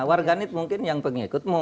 warganet mungkin yang pengikut